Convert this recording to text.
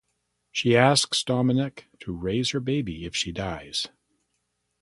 She asks Dominick to raise her baby if she dies.